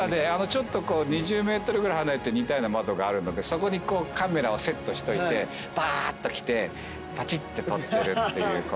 ちょっと２０ｍぐらい離れて似たような窓があるのでそこにカメラをセットしといてばーっときてパチッて撮ってるっていう。